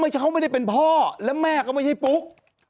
เขาไม่ได้เป็นพ่อและแม่ก็ไม่ใช่ปุ๊ก